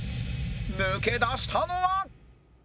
抜け出したのは